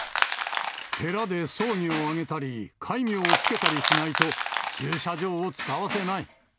寺で葬儀を挙げたり、戒名をつけたりしないと、駐車場を使わせない。